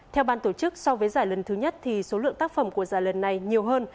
theo ban tổ chức so với giải lần thứ nhất thì số lượng tác phẩm của giải lần này nhiều hơn